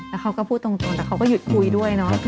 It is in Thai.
แล้วเขาก็พูดตรงแต่เขาก็หยุดคุยด้วยเนาะ